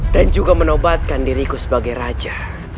dan juga menobatkan diriku sebagai raja